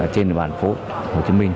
trên địa bàn phố hồ chí minh